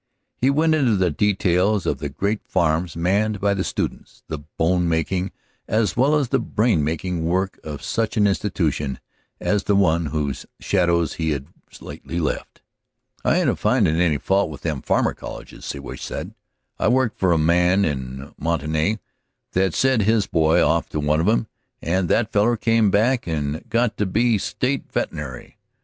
He went into the details of the great farms manned by the students, the bone making, as well as the brain making work of such an institution as the one whose shadows he had lately left. "I ain't a findin' any fault with them farmer colleges," Siwash said. "I worked for a man in Montanny that sent his boy off to one of 'em, and that feller come back and got to be state vet'nary.